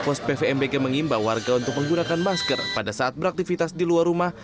pos pvmbg mengimbau warga untuk menggunakan masker pada saat beraktivitas di luar rumah